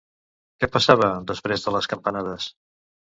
Què passava, després de les campanades?